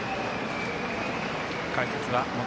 解説は元